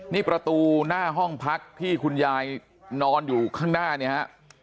นี่ประตูหน้าห้องพักที่คุณยายนอนอยู่ข้างหน้าเนี่ยฮะ